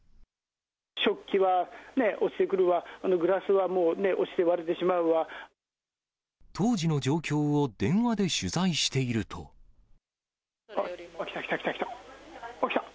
食器はね、落ちてくるわ、グラスはもうね、当時の状況を電話で取材してあっ、来た来た来た、来た！